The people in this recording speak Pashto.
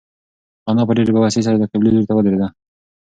انا په ډېرې بېوسۍ سره د قبلې لوري ته ودرېده.